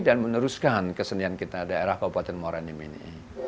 dan meneruskan kesenian kita di daerah kabupaten morenim ini